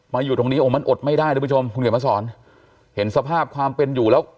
มาอยู่ตรงนี้มันอดไม่ได้นะคุณผู้ชมเห็นสภาพความเป็นอยู่แล้ว